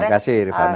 terima kasih rifana